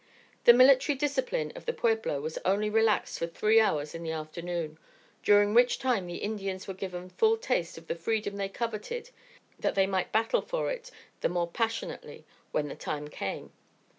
The military discipline of the pueblo was only relaxed for three hours in the afternoon, during which time the Indians were given full taste of the freedom they coveted that they might battle for it the more passionately when the time came.